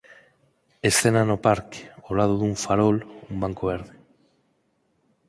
escena no parque, ó lado dun farol un banco verde.